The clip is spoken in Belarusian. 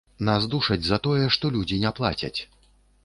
Нас душаць за тое, што людзі не плацяць.